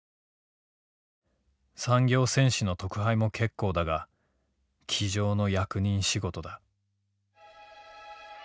「産業戦士の特配も結構だが机上の役人仕事だ」。